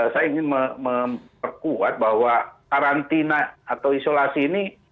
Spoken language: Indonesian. saya ingin memperkuat bahwa karantina atau isolasi ini